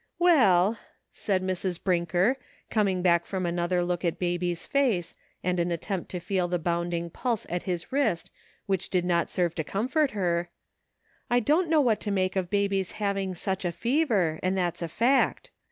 " Well," said Mrs. Brinker, coming back from another look at Baby's face, and an attempt to feel the bounding pulse at his wrist which did not serve to comfort lier, "I don't know what to make of Baby's having such a fever, and that's a fact.